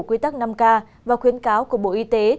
quy tắc năm k và khuyến cáo của bộ y tế